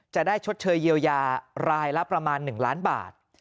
ชดเชยเยียวยารายละประมาณ๑ล้านบาท